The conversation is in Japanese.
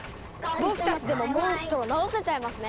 僕たちでもモンストロ治せちゃいますね。